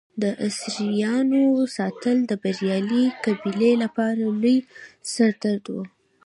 د اسیرانو ساتل د بریالۍ قبیلې لپاره لوی سر درد و.